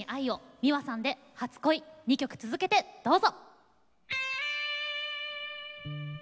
ｍｉｗａさんで「初恋」２曲続けてどうぞ。